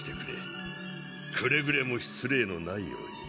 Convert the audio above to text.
くれぐれも失礼のないように。